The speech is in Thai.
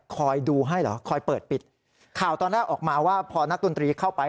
คอยดูให้เหรอคอยเปิดปิดข่าวตอนแรกออกมาว่าพอนักดนตรีเข้าไป